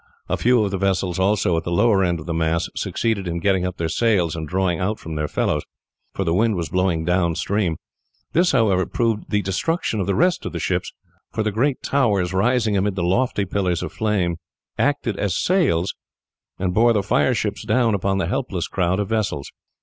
A few of the vessels also at the lower end of the mass succeeded in getting up their sails and drawing out from their fellows, for the wind was blowing down stream. This, however, proved the destruction of the rest of the ships, for the great towers rising amid the lofty pillars of flames acted as sails and bore the fire ships down upon the helpless crowd of vessels.